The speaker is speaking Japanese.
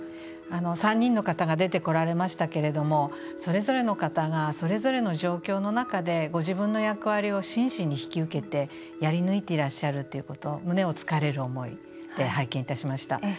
３人の方が出てこられましたけれどもそれぞれの方がそれぞれの状況の中でご自分の役割を真摯に引き受けてやり抜いていらっしゃるということ胸をつかれる思いで拝見いたしました。